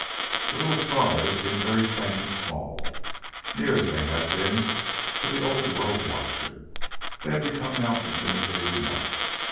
The little stars seemed very faint and small: near as they had been to the old world watcher, they had become now infinitely remote.